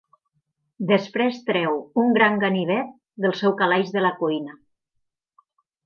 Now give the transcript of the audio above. Després treu un gran ganivet del seu calaix de la cuina.